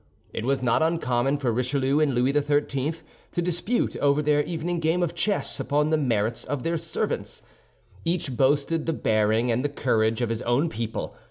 It was not uncommon for Richelieu and Louis XIII. to dispute over their evening game of chess upon the merits of their servants. Each boasted the bearing and the courage of his own people.